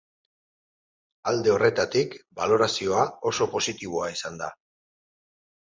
Alde horretatik, balorazioa oso positiboa izan da.